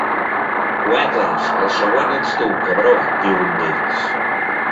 “Cuetes”, el següent ets tu, cabró, diu un d’ells.